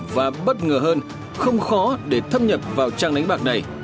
và bất ngờ hơn không khó để thâm nhập vào trang đánh bạc này